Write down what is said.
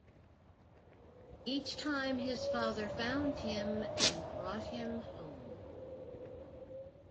Each time, his father found him and brought him home.